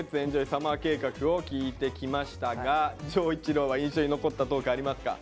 サマー計画」を聞いてきましたが丈一郎は印象に残ったトークありますか？